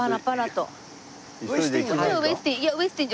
ウェスティン。